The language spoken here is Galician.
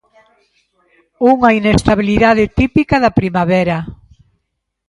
Unha inestabilidade típica da primavera.